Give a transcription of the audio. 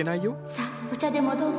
さあお茶でもどうぞ。